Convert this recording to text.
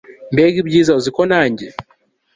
mbega byiza uziko nanjye